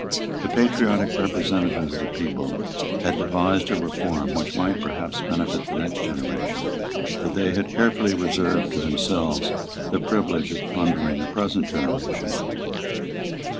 The patriotic representatives of the people had devised a reform which might perhaps benefit the next generation; but they had carefully reserved to themselves the privilege of plundering the present generation.